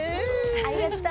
ありがと！